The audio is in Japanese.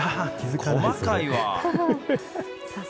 細かいわっ。